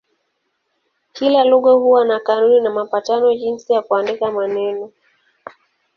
Kila lugha huwa na kanuni na mapatano jinsi ya kuandika maneno.